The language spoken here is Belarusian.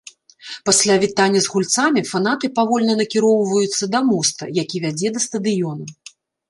Пасля вітання з гульцамі фанаты павольна накіроўваюцца да моста, які вядзе да стадыёна.